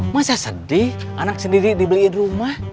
masa sedih anak sendiri dibeliin rumah